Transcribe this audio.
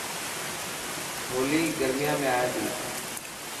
هولي گرميان ۾ آئي تي.